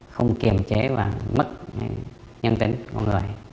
không kiềm chế và mất nhân tính con người